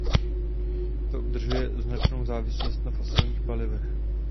To udržuje značnou závislost na fosilních palivech.